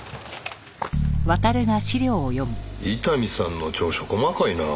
伊丹さんの調書細かいなあ。